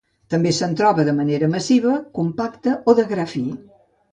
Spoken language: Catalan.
També se'n troba de manera massiva, compacte o de gra fi.